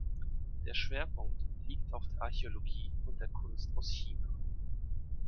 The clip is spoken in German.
Der Schwerpunkt liegt auf der Archäologie und der Kunst aus China.